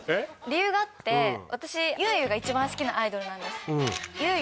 理由があって私ゆうゆが一番好きなアイドルなんですゆう